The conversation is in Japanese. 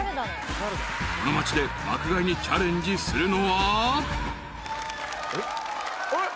［この町で爆買いにチャレンジするのは］